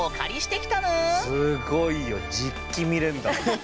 すごいよ実機見れんだ。